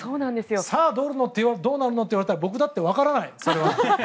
さあ、どうなるの？と言われたら僕だって分からない、それは。